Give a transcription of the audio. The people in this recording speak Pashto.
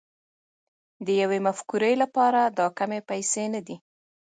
د يوې مفکورې لپاره دا کمې پيسې نه دي